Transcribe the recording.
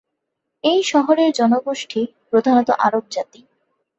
এই শহরের জনগোষ্ঠী প্রধানত আরব জাতি।